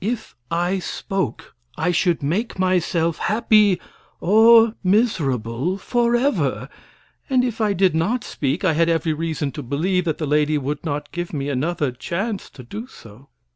If I spoke, I should make myself happy or miserable forever, and if I did not speak I had every reason to believe that the lady would not give me another chance to do so.